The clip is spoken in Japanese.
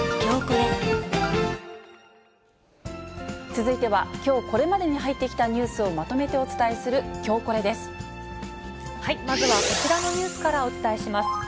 続いては、きょうこれまでに入ってきたニュースをまとめてお伝えするきょうまずはこちらのニュースからお伝えします。